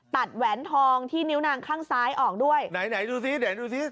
แหวนทองที่นิ้วนางข้างซ้ายออกด้วยไหนไหนดูซิไหนดูสิ